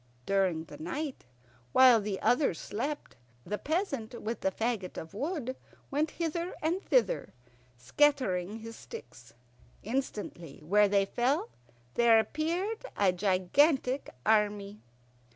During the night, while the others slept, the peasant with the fagot of wood went hither and thither, scattering his sticks. Instantly where they fell there appeared a gigantic army.